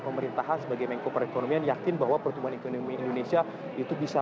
pemerintahan sebagai mengkoper ekonomi yang yakin bahwa pertumbuhan ekonomi indonesia itu bisa